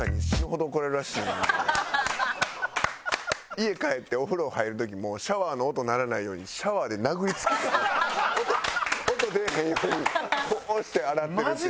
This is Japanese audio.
家帰ってお風呂入る時もシャワーの音鳴らないように音出えへんようにこうして洗ってるって。